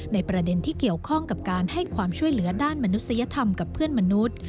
ในประเด็นที่เกี่ยวข้องกับการให้ความช่วยเหลือด้านมนุษยธรรมกับเพื่อนมนุษย์